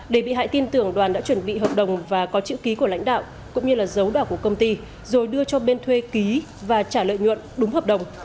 để bị hại tin tưởng đoàn đã chuẩn bị hợp đồng và có chữ ký của lãnh đạo cũng như là dấu đảo của công ty rồi đưa cho bên thuê ký và trả lợi nhuận đúng hợp đồng